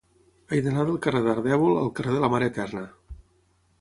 He d'anar del carrer d'Ardèvol al carrer de la Mare Eterna.